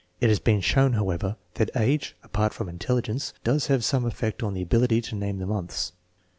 It has been shown, however, that age, apart from intelligence, does have some effect on the ability to name the months.